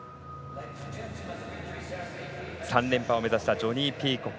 ３連覇を目指したジョニー・ピーコック。